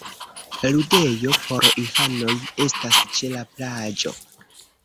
Ludejo por infanoj estas ĉe la plaĝo.